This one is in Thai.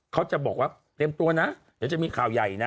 เขาจะบอกว่าเตรียมตัวนะเดี๋ยวจะมีข่าวใหญ่นะ